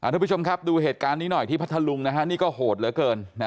ทุกผู้ชมครับดูเหตุการณ์นี้หน่อยที่พัทธลุงนะฮะนี่ก็โหดเหลือเกิน